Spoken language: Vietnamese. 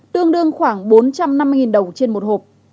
tương đương khoảng bốn trăm năm mươi đồng trên một hộp